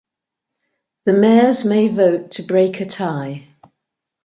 The Mayors may vote to break a tie.